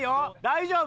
大丈夫？